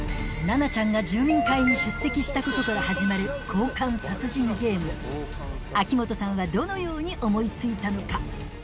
菜奈ちゃんが住民会に出席したことから始まる交換殺人ゲーム秋元さんはどのように思い付いたのか？